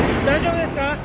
大丈夫ですか？